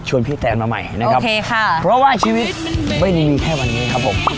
พี่แตนมาใหม่นะครับโอเคค่ะเพราะว่าชีวิตไม่ได้มีแค่วันนี้ครับผม